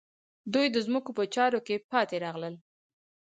دوی د ځمکو په چارو کې پاتې راغلل.